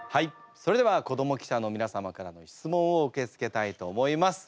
それでは子ども記者のみなさまからの質問を受け付けたいと思います。